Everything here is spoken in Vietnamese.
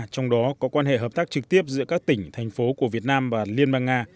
trong đó có quan hệ hợp tác trực tiếp giữa các tỉnh thành phố của việt nam và liên bang nga